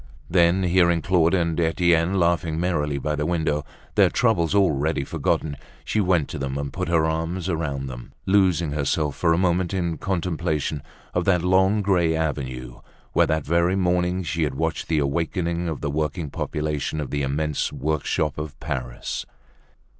Then, hearing Claude and Etienne laughing merrily by the window, their troubles already forgotten, she went to them and put her arms about them, losing herself for a moment in contemplation of that long gray avenue where, that very morning, she had watched the awakening of the working population, of the immense work shop of Paris.